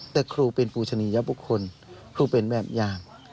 แต่ครูเป็นปูชนียบุคคลครูเป็นแบบอย่าง